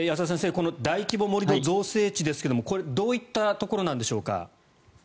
この大規模盛土造成地ですがこれはどういったところなんでしょうか。